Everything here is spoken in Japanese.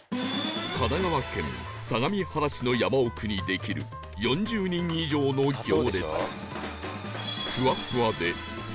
神奈川県相模原市の山奥にできる４０人以上の行列